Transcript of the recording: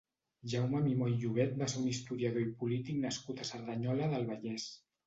Jaume Mimó i Llobet va ser un historiador i polític nascut a Cerdanyola del Vallès.